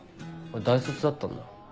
大卒だったんだ。